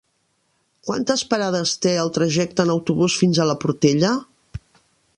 Quantes parades té el trajecte en autobús fins a la Portella?